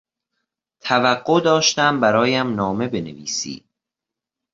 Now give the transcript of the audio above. توقع داشتم برایم نامه بنویسی.